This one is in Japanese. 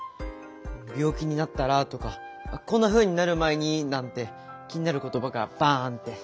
「病気になったら？」とか「こんなふうになる前に！」なんて気になることばがバン！って。